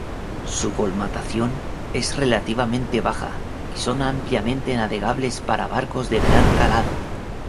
Su colmatación es relativamente baja, y son ampliamente navegables para barcos de gran calado.